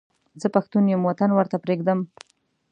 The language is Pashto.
زه پښتون یم وطن ورته پرېږدم.